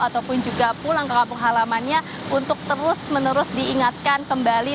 ataupun juga pulang ke kampung halamannya untuk terus menerus diingatkan kembali